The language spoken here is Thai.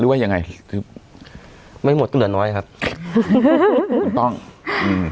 ว่ายังไงคือไม่หมดก็เหลือน้อยครับถูกต้องอืม